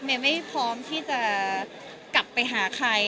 ไม่พร้อมที่จะกลับไปหาใคร